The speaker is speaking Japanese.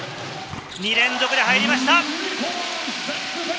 ２連続で入りました。